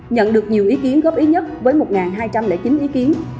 nhận được nhiều ý kiến góp ý nhất với một hai trăm linh chín ý kiến